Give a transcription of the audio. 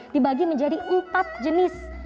dibagi menjadi empat jenis